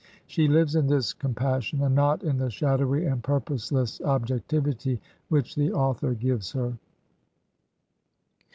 She lives in this com passion, and not in the shadowy and purposeless ob jectivity which the author gives her.